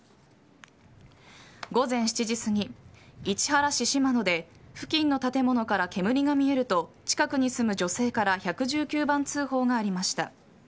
午前７時すぎ、市原市島野で付近の建物から煙が見えると近くに住む女性から１１９番通報がありました。